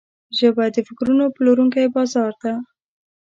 ژبه د فکرونو پلورونکی بازار ده